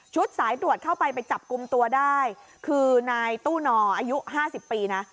สายตรวจเข้าไปไปจับกลุ่มตัวได้คือนายตู้นออายุ๕๐ปีนะ